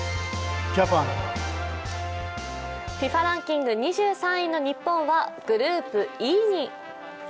ランキング２３位の日本はグループＥに。